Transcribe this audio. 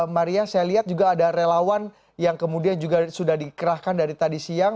maria saya lihat juga ada relawan yang kemudian juga sudah dikerahkan dari tadi siang